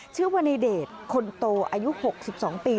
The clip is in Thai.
ชื่อว่าในเดชคนโตอายุ๖๒ปี